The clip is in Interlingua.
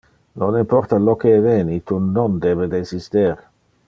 Non importa lo que eveni, tu non debe desister.